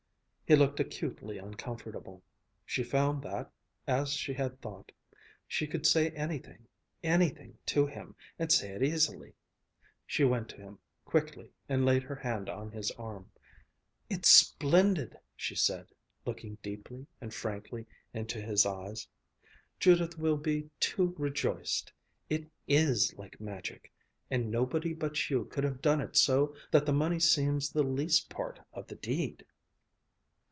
He looked acutely uncomfortable. She found that, as she had thought, she could say anything, anything to him, and say it easily. She went to him quickly and laid her hand on his arm. "It's splendid," she said, looking deeply and frankly into his eyes. "Judith will be too rejoiced! It is like magic. And nobody but you could have done it so that the money seems the least part of the deed!"